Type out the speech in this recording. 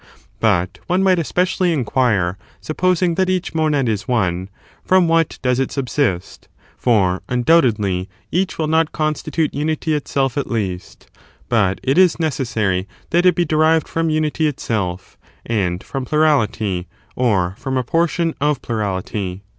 But one might especially inquire — supposing g ^^^^^^ that each monad is one — from what does it does each mo subsist? for, undoubtedly, each will not constitute '^^ consist oft unity itself at least : but it is necessary that it be derived from unity itself, and from plurality, or from a portion of plurality.